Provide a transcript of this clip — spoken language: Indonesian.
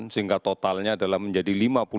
sehingga totalnya adalah menjadi lima puluh empat sepuluh